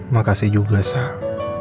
makasih juga sack